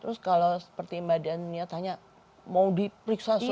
terus kalau seperti mbak dian niatanya mau diperiksa suruhnya